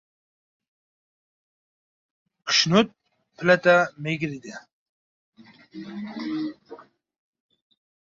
— Voy iflos-ye!